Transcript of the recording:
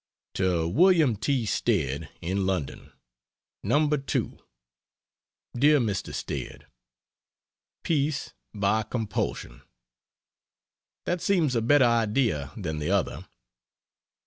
To Wm. T. Stead, in London: No. 2. DEAR MR. STEAD, Peace by compulsion. That seems a better idea than the other.